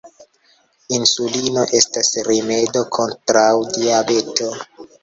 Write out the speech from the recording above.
Insulino estas rimedo kontraŭ diabeto.